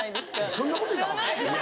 そんなこと言ったら。